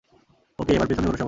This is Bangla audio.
ওকে, এবার পেছনে ঘোরো সবাই।